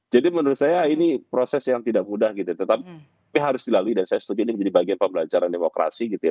jadi menurut saya ini proses yang tidak mudah gitu tetapi harus dilalui dan saya setuju ini menjadi bagian pembelajaran demokrasi gitu ya